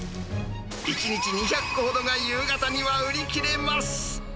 １日２００個ほどが夕方には売り切れます。